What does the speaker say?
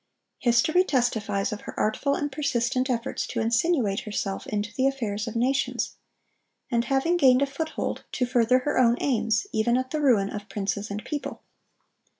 History testifies of her artful and persistent efforts to insinuate herself into the affairs of nations; and having gained a foothold, to further her own aims, even at the ruin of princes and people.